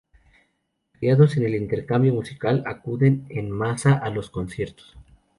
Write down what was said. Criados en el intercambio musical, acuden en masa a los conciertos